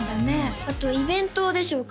あとイベントでしょうか？